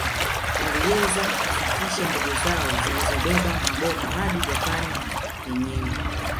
Walioweza kufikisha ndege zao zilizobeba mabomu hadi Japani yenyewe